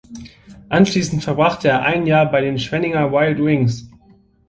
Anschließend verbrachte er ein jahr bei den Schwenninger Wild Wings.